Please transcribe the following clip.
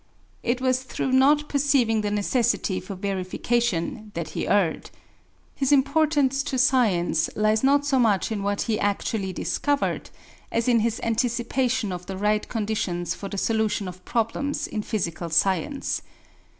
It was through not perceiving the necessity for verification that he erred. His importance to science lies not so much in what he actually discovered as in his anticipation of the right conditions for the solution of problems in physical science.